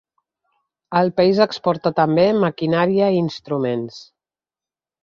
El país exporta també maquinària i instruments.